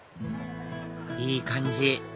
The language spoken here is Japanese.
いい感じ！